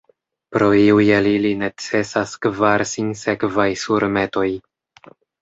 Pro iuj el ili necesas kvar sinsekvaj surmetoj.